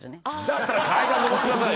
だったら階段上ってください。